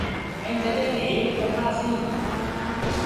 ائيٚݩ جڏيݩ هيٺ لٿآ سيٚݩ۔